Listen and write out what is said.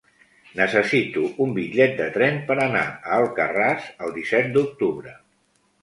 Necessito un bitllet de tren per anar a Alcarràs el disset d'octubre.